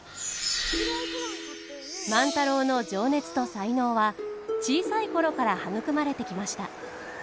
万太郎の情熱と才能は小さい頃から育まれてきました。